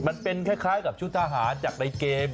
มันเป็นคล้ายกับชุดทหารจากในเกม